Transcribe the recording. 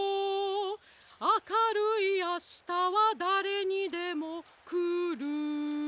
「あかるいあしたはだれにでもくる」